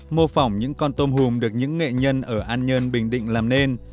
mô phỏng những con tôm hùm được những nghệ nhân ở an nhơn bình định làm nên